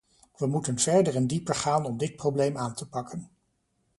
We moeten verder en dieper gaan om dit probleem aan te pakken.